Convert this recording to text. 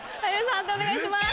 判定お願いします。